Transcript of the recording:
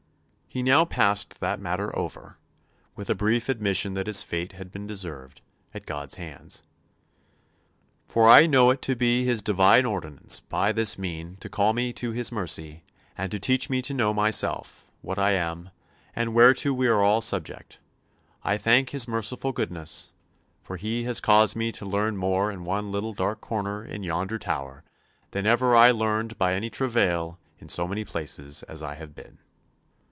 He now passed that matter over, with a brief admission that his fate had been deserved at God's hands: "For I know it to be His divine ordinance by this mean to call me to His mercy and to teach me to know myself, what I am, and whereto we are all subject. I thank His merciful goodness, for He has caused me to learn more in one little dark corner in yonder Tower than ever I learned by any travail in so many places as I have been."